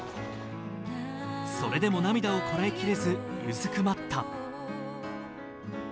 それでも涙を堪えきれずうずくまった。